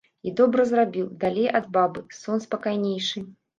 І добра зрабіў, далей ад бабы, сон спакайнейшы.